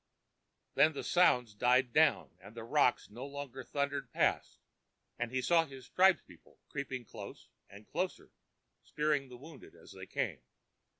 Then the sounds died down, and the rocks no longer thundered past, and he saw his tribespeople creeping close and closer, spearing the wounded as they came.